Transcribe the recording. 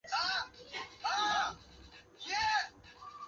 退役后他曾经担任上海中纺机等乙级球队的助理教练。